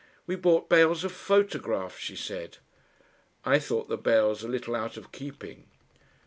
"We bought bales of photographs," she said. I thought the bales a little out of keeping.